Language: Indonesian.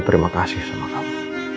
terima kasih sama kamu